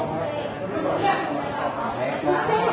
กลับเข้าไปดีกว่า